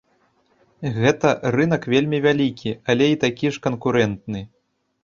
Гэта рынак вельмі вялікі, але і такі ж канкурэнтны.